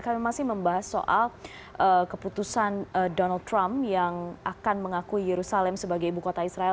kami masih membahas soal keputusan donald trump yang akan mengakui yerusalem sebagai ibu kota israel